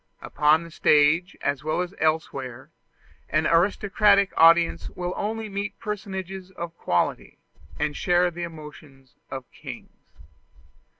Upon the stage, as well as elsewhere, an aristocratic audience will only meet personages of quality, and share the emotions of kings.